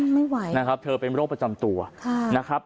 เพราะเป็นโรคประจำตัวนะครับ